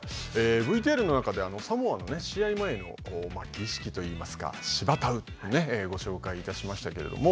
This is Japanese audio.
ＶＴＲの中でサモアの試合前の儀式といいますかシバタウご紹介いたしましたけれども。